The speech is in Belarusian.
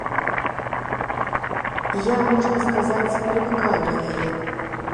Я, можна сказаць, прывыкаю да яе.